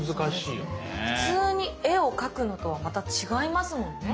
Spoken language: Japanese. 普通に絵を描くのとはまた違いますもんね。